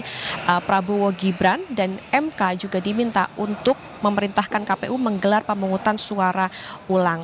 kemudian prabowo gibran dan mk juga diminta untuk memerintahkan kpu menggelar pemungutan suara ulang